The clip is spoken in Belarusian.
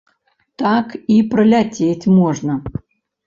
Так і праляцець можна.